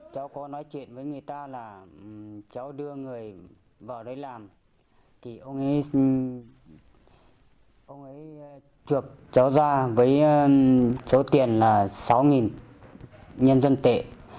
cháu đưa người vào đây làm thì ông ấy chuộc cháu ra với số tiền là sáu nhân dân tệ